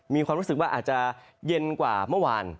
มีความรู้สึกว่าอาจจะเย็นกว่าเมื่อวาน